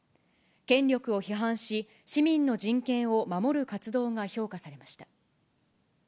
権力を批判し、市民の人権を守る活動が評価されました。